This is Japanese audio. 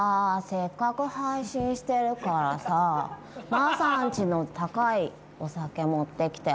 せっかく配信してるからさマサんちの高いお酒持ってきてよ。